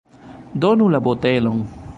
Donu la botelon!